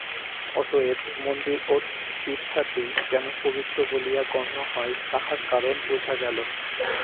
অতএব মন্দির ও তীর্থাদি কেন পবিত্র বলিয়া গণ্য হয়, তাহার কারণ বুঝা গেল।